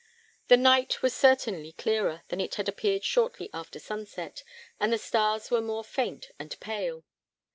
The night was certainly clearer than it had appeared shortly after sunset, and the stars were more faint and pale.